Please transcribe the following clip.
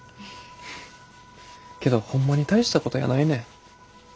けどホンマに大したことやないねん。